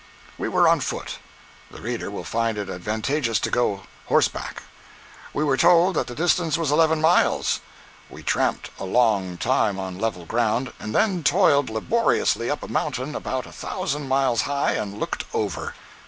We were on foot. The reader will find it advantageous to go horseback. We were told that the distance was eleven miles. We tramped a long time on level ground, and then toiled laboriously up a mountain about a thousand miles high and looked over.